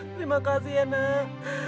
terima kasih ya nak